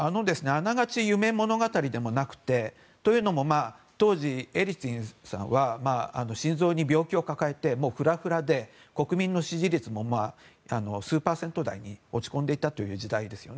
あながち夢物語でもなくてというのも当時、エリツィンさんは心臓に病気を抱えてもうふらふらで国民の支持率も数パーセント台に落ち込んでいたという時代です。